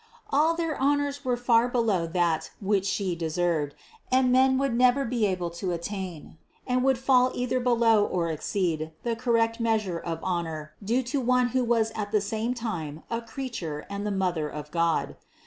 All their honors were far below that which She deserved, and men would never be able to attain, and would fall either below or exceed, the correct measure of honor due to One who was at the same time a creature and the Mother of God.